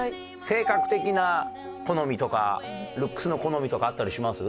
性格的な好みとかルックスの好みとかあったりします？